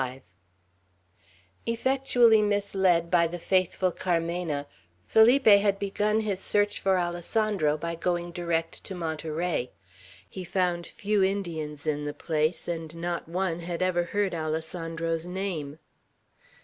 XXV EFFECTUALLY misled by the faithful Carmena, Felipe had begun his search for Alessandro by going direct to Monterey. He found few Indians in the place, and not one had ever heard Alessandro's name.